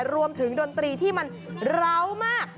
รวมถึงดนตรีที่เหลามาก